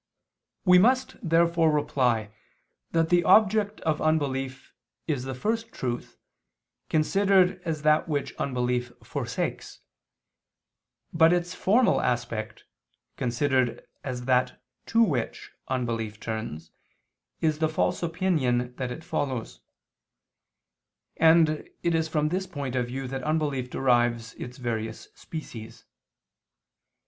We must therefore reply that the object of unbelief is the First Truth considered as that which unbelief forsakes, but its formal aspect, considered as that to which unbelief turns, is the false opinion that it follows: and it is from this point of view that unbelief derives its various species.